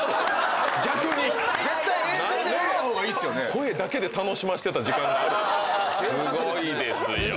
声だけで楽しませてた時間がある⁉すごいですよ。